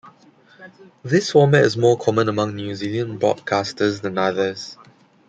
This format is more common among New Zealand broadcasters than others.